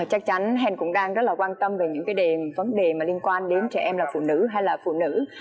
chắc chắn cũng đang rất là quan tâm về những cái vấn đề mà liên quan đến trẻ em là phụ nữ hay là phụ nữ